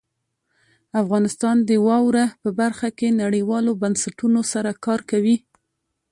افغانستان د واوره په برخه کې نړیوالو بنسټونو سره کار کوي.